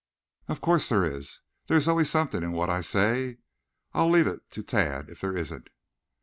"Of course there is. There is always something in what I say. I'll leave it to Tad, if there isn't."